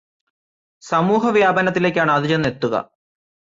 സമൂഹവ്യാപനത്തിലേക്കാണ് അതു ചെന്നെത്തുക.